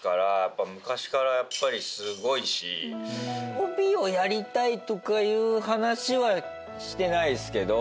帯をやりたいとかいう話はしてないっすけど。